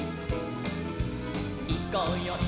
「いこうよい